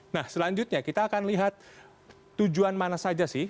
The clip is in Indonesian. nah selanjutnya kita akan lihat tujuan mana saja sih